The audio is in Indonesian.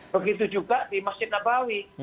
begitu juga di masjid nabawi